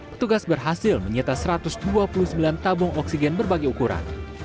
petugas berhasil menyita satu ratus dua puluh sembilan tabung oksigen berbagai ukuran